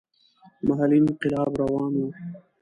محلي انقلاب روان وو.